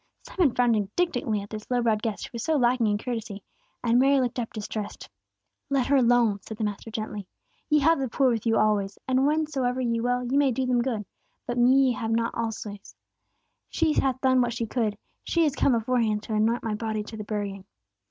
Simon frowned indignantly at this low browed guest, who was so lacking in courtesy, and Mary looked up distressed. "Let her alone!" said the Master, gently. "Ye have the poor with you always, and whensoever ye will, ye may do them good: but me ye have not always. She hath done what she could: she is come aforehand to anoint my body to the burying."